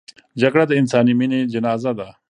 جګړه د انساني مینې جنازه ده